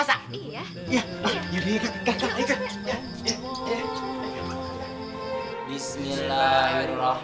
mas kok mas pada di luar sih